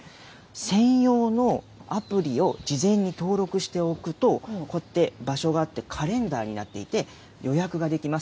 専用のアプリを事前に登録しておくと、こうやって場所があって、カレンダーになっていて、予約ができます。